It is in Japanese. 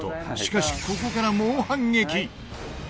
しかしここから猛反撃！